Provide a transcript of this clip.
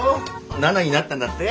７になったんだって。